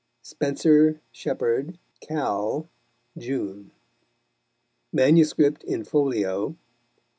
Spencer Shep. Cal. June. Manuscript in folio.